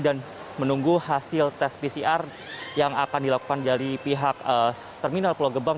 dan menunggu hasil tes pcr yang akan dilakukan dari pihak terminal pulau gebang